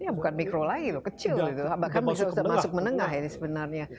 ya bukan mikro lagi kecil itu bahkan bisa masuk menengah ya sebenarnya